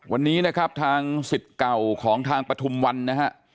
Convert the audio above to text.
วันนี้นะครับทางสิทธิ์เก่าของทางปฐุมวันนะฮะ